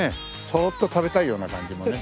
そっと食べたいような感じもね。